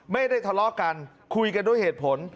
ไม่ได้ทะเลาะกันคุยกันด้วยเหตุผล